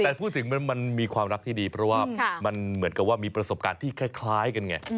แต่พูดถึงมันมีความรักที่ดีเพราะว่ามันเหมือนกับว่ามีประสบการณ์ที่คล้ายกันไง